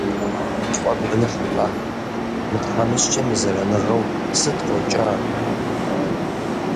ПфӀэгуэныхькъэ, мы тхьэмыщкӀэм и зэраныгъэу сыт къокӀа?